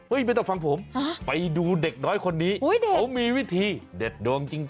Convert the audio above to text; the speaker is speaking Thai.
ไม่ต้องฟังผมไปดูเด็กน้อยคนนี้เขามีวิธีเด็ดดวงจริง